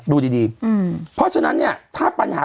ดูดีเพราะฉะนั้นเนี่ยถ้าปัญหา